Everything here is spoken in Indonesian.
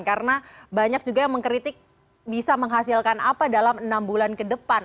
karena banyak juga yang mengkritik bisa menghasilkan apa dalam enam bulan ke depan